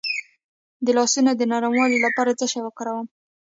د لاسونو د نرموالي لپاره څه شی وکاروم؟